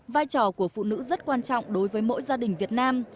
vai trò của phụ nữ rất quan trọng đối với mỗi gia đình việt nam